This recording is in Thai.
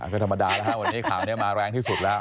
ก็ธรรมดานะครับวันนี้ข่าวนี้มาแรงที่สุดแล้ว